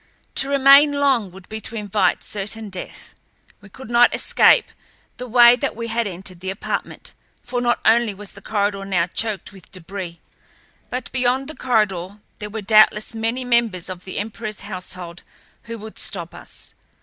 To remain long would be to invite certain death. We could not escape the way that we had entered the apartment, for not only was the corridor now choked with debris, but beyond the corridor there were doubtless many members of the emperorl's household who would stop us.